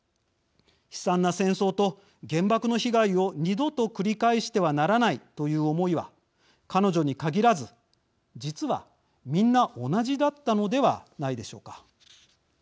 悲惨な戦争と原爆の被害を２度と繰り返してはならないという思いは彼女に限らず、実はみんな同じだったのではないでしょうか。